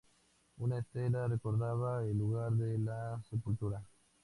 Una estela recordaba el lugar de la sepultura.